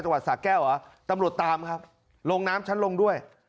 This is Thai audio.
จังหวัดศาสตร์แก้วเหรอตำรวจตามครับลงน้ำฉันลงด้วย